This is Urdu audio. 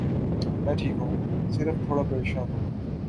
میں ٹھیک ہوں، صرف تھوڑا پریشان ہوں۔